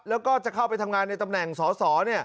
แล้วก็จะเข้าไปทำงานในตำแหน่งสอสอ